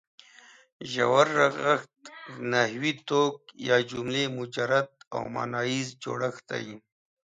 ژور رغښت د نحوي توک یا جملې مجرد او ماناییز جوړښت دی.